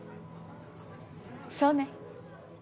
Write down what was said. そうね。